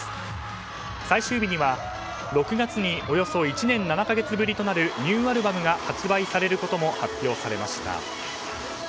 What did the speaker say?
最終日には６月におよそ１年７か月ぶりとなるニューアルバムが発売されることも発表されました。